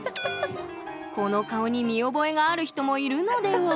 この顔に見覚えがある人もいるのでは？